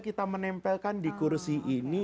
kita menempelkan di kursi ini